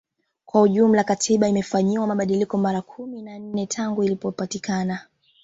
Kwa ujumla Katiba imefanyiwa mabadiliko mara kumi na nne tangu ilipopatikana